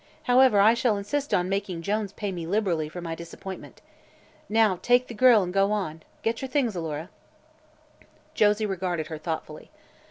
However, I shall insist on making Jason Jones pay me liberally for my disappointment. Now take the girl and go. Get your things on, Alora." Josie regarded her thoughtfully.